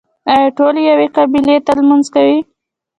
آیا ټول یوې قبلې ته لمونځ کوي؟